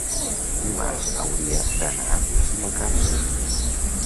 Dimarts hauria d'anar a Sumacàrcer.